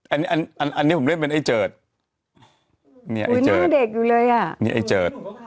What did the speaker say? อันนี้อันอันอันนี้ผมเรียกเป็นไอ้เจิดนี่อ่ะอันนี้ไอ้เจิด